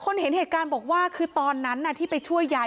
เห็นเหตุการณ์บอกว่าคือตอนนั้นที่ไปช่วยยาย